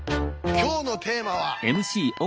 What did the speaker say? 今日のテーマはえ？